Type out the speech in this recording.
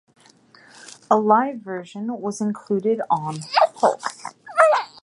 A live version is included on "Pulse".